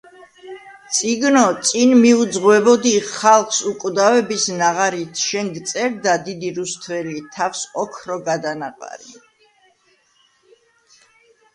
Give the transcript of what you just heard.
წიგნო წინ მიუძღვებოდი ხალს უკვდავების ნაღარით, შენ გწერდა დიდი რუსთველი თავსოქროგადანაყარი!